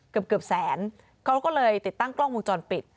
เกือบเกือบแสนเขาก็เลยติดตั้งกล้องวงจรปิด